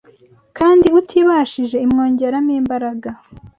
kandi utibashije imwongeramo imbaraga